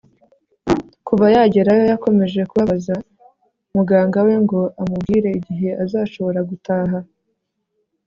Kuva yagerayo yakomeje kubabaza muganga we ngo amubwire igihe azashobora gutaha